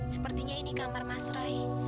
sepertinya ini kamar mas rai